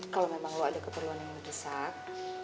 kalo memang lo ada keperluan yang berdesak